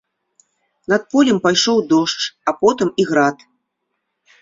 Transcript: Над полем пайшоў дождж, а потым і град.